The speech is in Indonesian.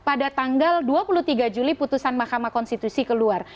pada tanggal dua puluh tiga juli putusan mahkamah konstitusi keluar